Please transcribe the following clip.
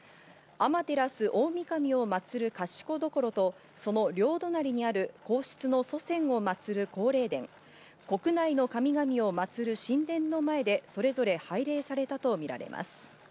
天照大神をまつる賢所とその両隣にある皇室の祖先を祭る皇霊殿、国内の神々を祭る神殿の前でそれぞれ拝礼されたとみられます。